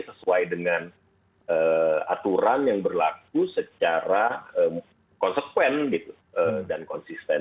sesuai dengan aturan yang berlaku secara konsekuen dan konsisten